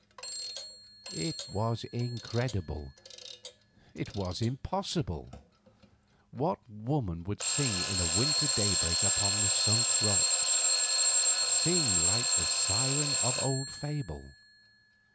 It was incredible, it was impossible. What woman would sing in a winter daybreak upon the Sunk Rocks—sing like the siren of old fable?